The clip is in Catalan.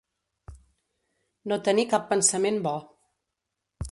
No tenir cap pensament bo.